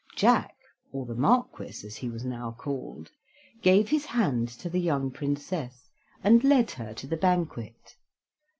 Jack, or the Marquis as he was now called, gave his hand to the young Princess, and led her to the banquet.